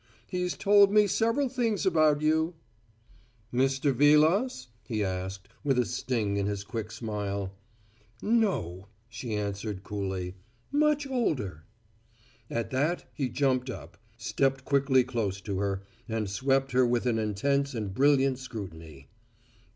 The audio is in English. He's told me several things about you." "Mr. Vilas?" he asked, with a sting in his quick smile. "No," she answered coolly. "Much older." At that he jumped up, stepped quickly close to her, and swept her with an intense and brilliant scrutiny.